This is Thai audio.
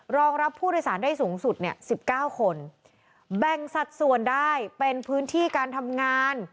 รองรับผู้โดยสารได้สูงสุดเนี่ย๑๙คนแบ่งสัดส่วนได้เป็นพื้นที่การทำงาน